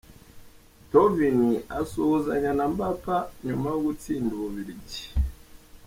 Thauvin asuhuzanya na Mbappa nyuma yo gutsinda Ububiligi.